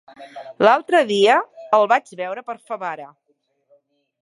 L'altre dia el vaig veure per Favara.